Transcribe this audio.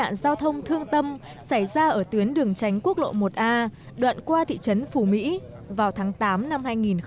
tai nạn giao thông thương tâm xảy ra ở tuyến đường tránh quốc lộ một a đoạn qua thị trấn phù mỹ vào tháng tám năm hai nghìn một mươi chín